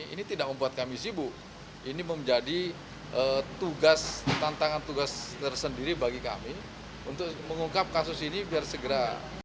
ini tidak membuat kami sibuk ini menjadi tugas tantangan tugas tersendiri bagi kami untuk mengungkap kasus ini biar segera